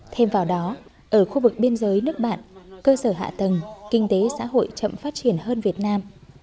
thêm vào đó ở khu vực biên giới nước bạn cơ sở hạ tầng kinh tế xã hội chậm phát triển hơn việt nam